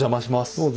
どうぞ。